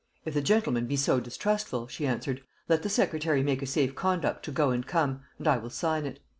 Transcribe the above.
"If the gentleman be so distrustful," she answered, "let the secretary make a safe conduct to go and come, and I will sign it."